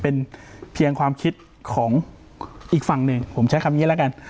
เป็นเพียงความคิดของอีกฝั่งหนึ่งผมใช้คำนี้แล้วกัน